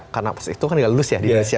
karena pas itu kan gak lulus ya di indonesia